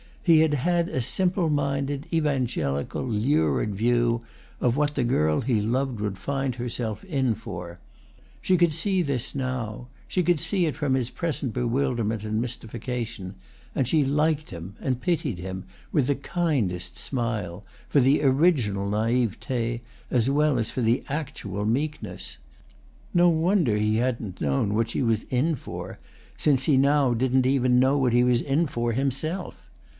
He had had a simple minded, evangelical, lurid view of what the girl he loved would find herself in for. She could see this now—she could see it from his present bewilderment and mystification, and she liked him and pitied him, with the kindest smile, for the original naïveté as well as for the actual meekness. No wonder he hadn't known what she was in for, since he now didn't even know what he was in for himself.